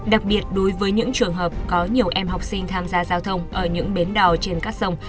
đặc biệt đối với những trường hợp có nhiều em học sinh tham gia giao thông ở những bến đò trên các sông